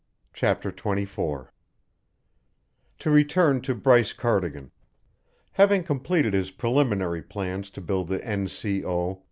CHAPTER XXIV To return to Bryce Cardigan: Having completed his preliminary plans to build the N. C. O.